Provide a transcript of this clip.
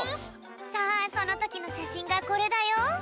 さあそのときのしゃしんがこれだよ。